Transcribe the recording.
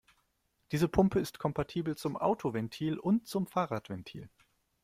Diese Pumpe ist kompatibel zum Autoventil und zum Fahrradventil.